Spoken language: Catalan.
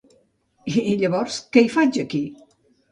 I llavors, què hi faig aquí?